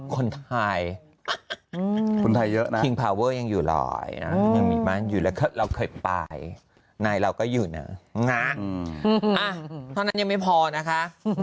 คนไทยยังอยู่รอดอยู่แล้วคือเราคือไปในเราก็อยู่นะมีพ่อนาคารไม่พอนะคะ